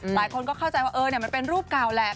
หลายคนก็เข้าใจว่ามันเป็นรูปเก่าแหละ